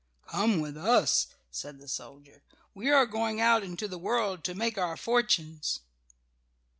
"Come with us," said the soldier. "We are going out into the world to make our fortunes."